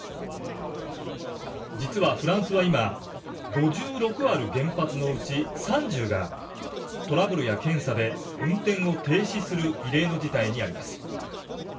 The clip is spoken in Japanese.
実は、フランスは今５６ある原発のうち３０がトラブルや検査で運転を停止する異例の事態にあります。